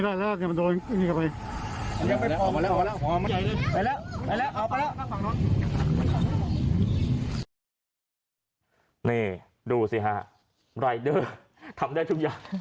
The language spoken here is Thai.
รายเด้อทำได้ทุกอย่าง